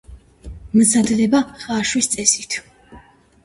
მზადდება ხარშვის წესით.